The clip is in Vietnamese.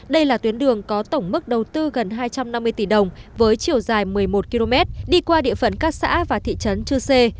đây là tuyến đường có tổng mức đầu tư gần hai trăm năm mươi tỷ đồng với chiều dài một mươi một km đi qua địa phận các xã và thị trấn chư sê